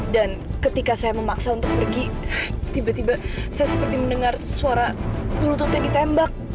dan ketika saya memaksa untuk pergi tiba tiba saya seperti mendengar suara pelututnya ditembak